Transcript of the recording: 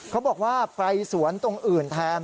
เขาบอกว่าไปสวนตรงอื่นแทน